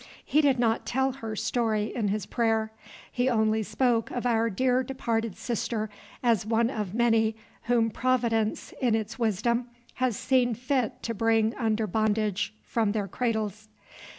He did not tell her story in his prayer. He only spoke of our dear departed sister as one of many whom Providence in its wisdom has seen fit to bring under bondage from their cradles.